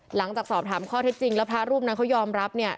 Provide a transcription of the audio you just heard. หลังจากสอบถามข้อเท็จจริงแล้วพระรูปนั้นเขายอมรับเนี่ย